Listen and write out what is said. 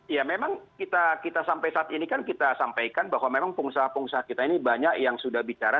ya memang kita sampai saat ini kan kita sampaikan bahwa memang pengusaha pengusaha kita ini banyak yang sudah bicara